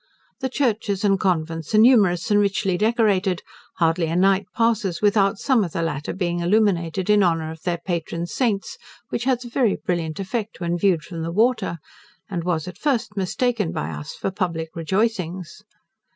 The churches and convents are numerous, and richly decorated; hardly a night passes without some of the latter being illuminated in honour of their patron saints, which has a very brilliant effect when viewed from the water, and was at first mistaken by us for public rejoicings.